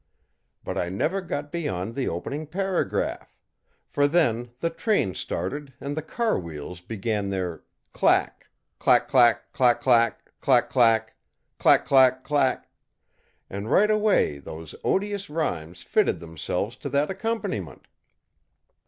But I never got beyond the opening paragraph; for then the train started and the car wheels began their 'clack, clack clack clack clack! clack clack! clack clack clack!' and right away those odious rhymes fitted themselves to that accompaniment.